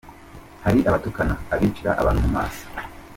Hari abatukana, abacira abantu mu maso.